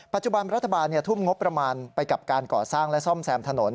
ปัจจุบันรัฐบาลทุ่มงบประมาณไปกับการก่อสร้างและซ่อมแซมถนน